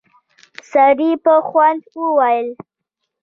سړي په خوند وويل: